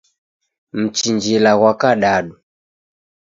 Mchinjila ghwa kadadu